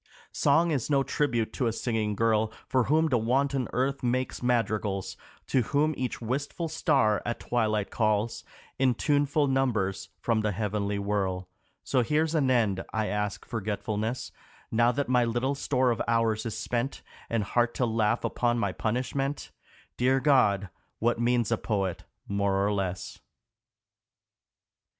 Song is no tribute to a singing girl, For whom the wanton earth makes madrigals, To whom each wistful star at twilight calls In tuneful numbers from the heavenly whirl ; So here's an end, I ask forgetfulness Now that my little store of hours is spent, And heart to laugh upon my punishment Dear God, what means a poet more or less